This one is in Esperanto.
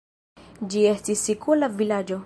Ĝi estis sikula vilaĝo.